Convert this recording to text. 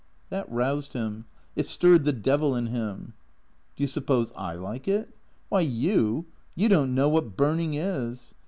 That roused him; it stirred the devil in him. " Do you suppose I like it ? Why, you — you don't know what burning is.